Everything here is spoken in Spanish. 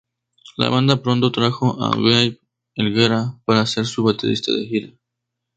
La banda pronto trajo a Gabe Helguera para ser su baterista de gira.